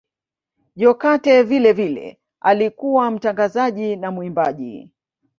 Jokate vilevile alikuwa mtangazaji na mwimbaji